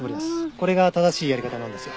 これが正しいやり方なんですよ。